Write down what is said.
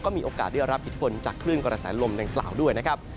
ก็มีโอกาสได้รับผิดฝนจากคลื่นกรสารลมดังกล่าวด้วยนะครับ